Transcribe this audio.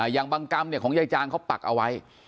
อย่างบางกรรมของยายจางเขาปักเอาไว้